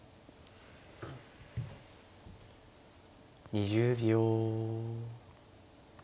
２０秒。